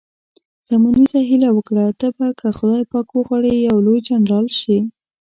سیمونز هیله وکړه، ته به که خدای پاک وغواړي یو لوی جنرال شې.